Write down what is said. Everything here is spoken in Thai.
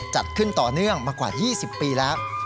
จัดขึ้นต่อเนื่องมากว่า๒๐ปีแล้ว